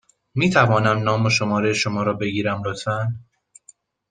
می توانم نام و شماره شما را بگیرم، لطفا؟